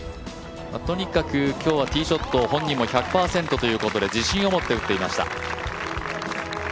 とにかく今日はティーショット本人も１００％ということで自信を持って打っていました。